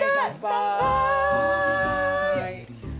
乾杯！